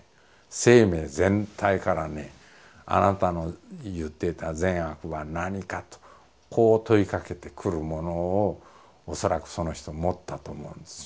生命全体からね「あなたの言っていた善悪は何か」とこう問いかけてくるものを恐らくその人持ったと思うんですよ。